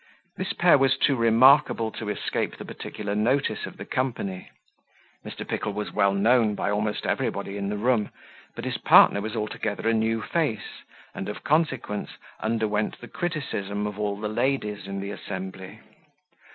This pair was too remarkable to escape the particular notice of the company; Mr. Pickle was well known by almost everybody in the room, but his partner was altogether a new face and of consequence underwent the criticism of all the ladies in the assembly.